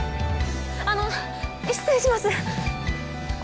あの失礼します。